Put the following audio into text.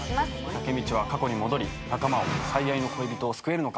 タケミチは過去に戻り仲間を最愛の恋人を救えるのか。